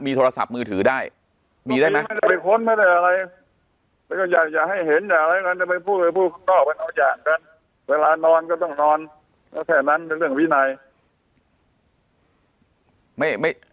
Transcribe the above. มีโทรศัพท์มือถือได้มีได้ไหมไม่ได้ค้นไม่ได้อะไรอยากให้เห็นอะไรก็ไปพูดไปพูดก็ออกไปอาจารย์กันเวลานอนก็ต้องนอนแล้วแค่นั้นเป็นเรื่องวินัย